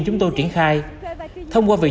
chúng tôi triển khai thông qua việc